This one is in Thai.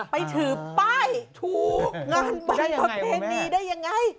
ไปถือป้ายทูงานบุญประเพณีได้ยังไง